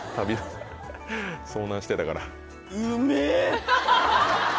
遭難してたから。